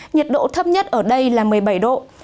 nhiệt độ thấp nhất ở đây là một mươi bảy độ